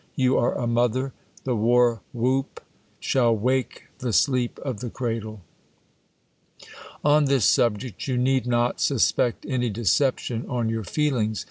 You ^re a mother ; the v/ar whoop shall wake the sleep of the cradle. On this subject you need not suspect any deception on your feelings.